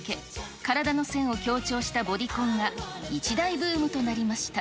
体の線を強調したボディコンが一大ブームとなりました。